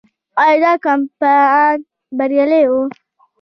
آیا دا کمپاین بریالی و؟